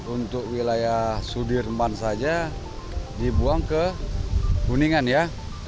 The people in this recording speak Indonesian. untuk wilayah sudirman saja dibuang ke kuningan ya